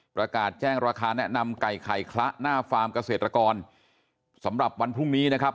ประกาศแจ้งราคาแนะนำไก่ไข่คละหน้าฟาร์มเกษตรกรสำหรับวันพรุ่งนี้นะครับ